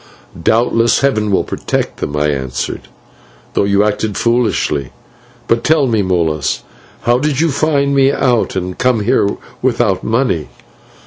"Doubtless Heaven will protect them," I answered, "though you acted foolishly. But tell me, Molas, how did you find me out and come here without money?"